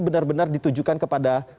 benar benar ditujukan kepada